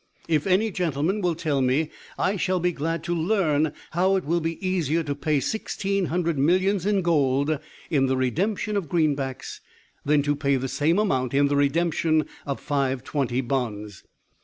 If any gentleman will tell me, I shall be glad to learn how it will be easier to pay sixteen hundred millions in gold in the redemption of greenbacks, than to pay the same amount in the redemption of Five twenty bonds?